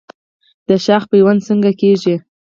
د شاخ پیوند څنګه کیږي؟